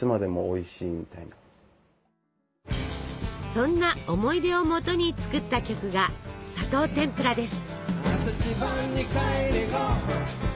そんな思い出をもとに作った曲が「砂糖てんぷら」です。